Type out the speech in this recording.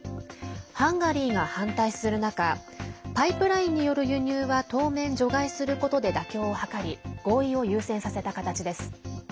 ハンガリーが反対する中パイプラインによる輸入は当面除外することで妥協を図り合意を優先させた形です。